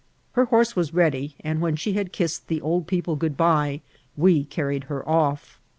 Her horse was ready, and when she had kissed the old people good by we carried her off.